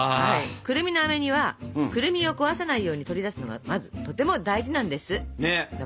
くるみのあめ煮はくるみを壊さないように取り出すのがまずとても大事なんです。